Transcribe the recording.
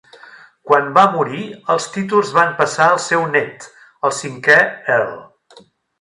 Quan va morir, els títols van passar al seu nét, el cinquè Earl.